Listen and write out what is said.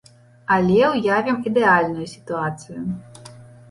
Але ўявім ідэальную сітуацыю.